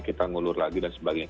kita ngulur lagi dan sebagainya